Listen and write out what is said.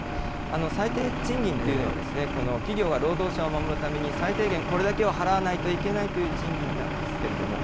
最低賃金というのは、企業が労働者を守るために、最低限これだけは払わないといけないという賃金なんですけれども。